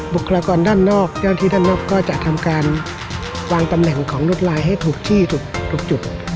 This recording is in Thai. บุคลากรด้านนอกก็จะทำการลางตำแหน่งของรวดลายให้ถูกที่ถูกจุด